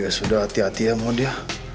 ya sudah hati hati ya mondi ya